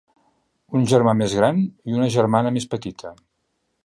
Un germà més gran i una germana més petita.